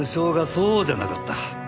そうじゃなかった。